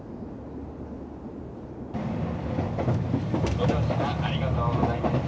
ご乗車ありがとうございました。